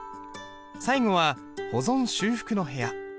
最後は保存・修復の部屋。